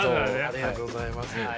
ありがとうございます。